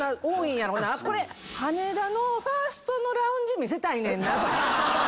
これ羽田のファーストのラウンジ見せたいねんなとか。